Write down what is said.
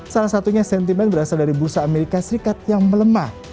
satunya sentimen berasal dari bursa as yang melemah